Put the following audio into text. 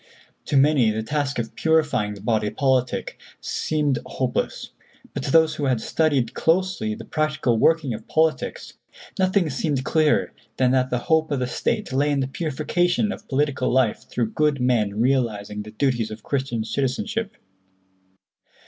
"To many the task of purifying the body politic seemed hopeless, but to those who had studied closely the practical working of politics, nothing seemed clearer than that the hope of the State lay in the purification of political life through good men realizing the duties of Christian citizenship.